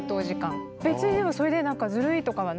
別にでもそれでなんかずるいとかはなくて。